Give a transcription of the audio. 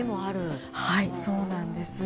そうなんです。